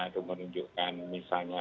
itu menunjukkan misalnya